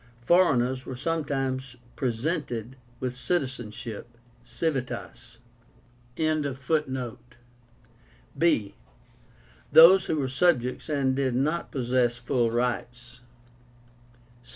Foreigners were sometimes presented with citizenship (civitas)) b. Those who were subjects and did not possess full rights.